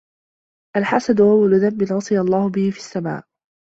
الْحَسَدُ أَوَّلُ ذَنْبٍ عُصِيَ اللَّهُ بِهِ فِي السَّمَاءِ